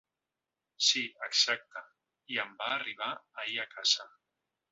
Si, exacte i em va arribar ahir a casa.